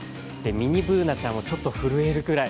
ミニＢｏｏｎａちゃんもちょっと震えるくらい。